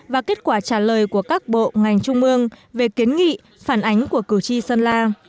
và kết quả trả lời của các bộ ngành trung ương về kiến nghị phản ánh của cử tri sơn la